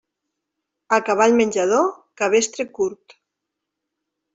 A cavall menjador, cabestre curt.